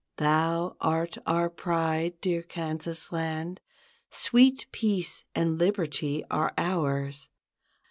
Thou art our pride, dear Kansas Land, Sweet peace and liberty are ours.